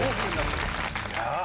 いや！